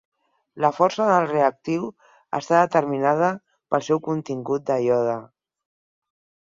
La força del reactiu està determinada pel seu contingut de iode.